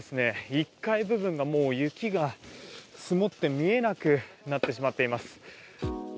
１階部分が、もう雪が積もって見えなくなってしまっています。